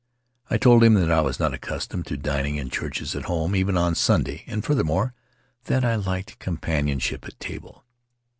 I told him that I was not accustomed to dining in churches at home, even on Sunday, and, furthermore, that I liked companionship at table.